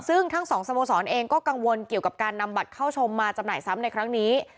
ซึ่งทั้งสองสโมสรเองก็กังวลเกี่ยวกับการนำบัตรเข้าชมมาจำหน่ายซ้ำในครั้งนี้